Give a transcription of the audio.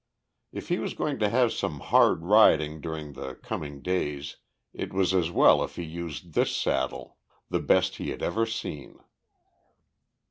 If he was going to have some hard riding during the coming days it was as well if he used this saddle, the best he had ever seen.